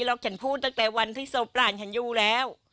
แล้วฉันพูดตั้งแต่วันที่ศพหลานฉันอยู่แล้ว